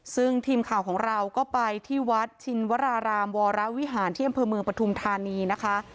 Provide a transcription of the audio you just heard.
ซึ่งทีมข่าวของเราก็ไปที่วัดชินวรารามวรวิหารที่อำเภอเมืองปฐุมธานีนะคะ